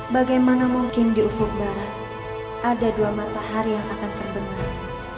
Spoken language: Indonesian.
bagaimana mungkin di ufuk barat ada dua matahari yang akan terbenar